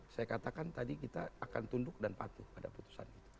saya katakan tadi kita akan tunduk dan patuh pada putusan itu